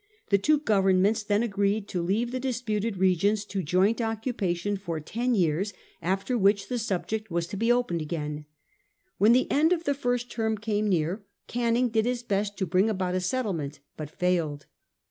The two governments then agreed to leave the disputed regions to joint occupation for ten years, after which 1840. THE OREGON TREATY. 321 the subject was to be opened again. When the end of the first term came near, Canning did his best to bring about a settlement, but failed.